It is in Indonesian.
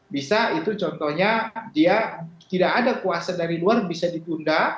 bisa itu contohnya dia tidak ada kuasa dari luar bisa ditunda